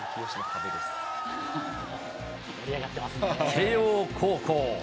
慶応高校。